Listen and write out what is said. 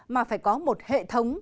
mà phải có một hệ thống